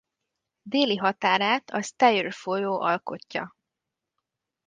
Déli határát a Steyr folyó alkotja.